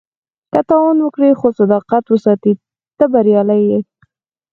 که تاوان وکړې خو صداقت وساتې، ته بریالی یې.